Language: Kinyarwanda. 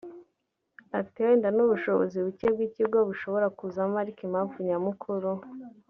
Ati “Wenda n’ubushobozi buke bw’ikigo bushobora kuzamo ariko impamvu nyamukuru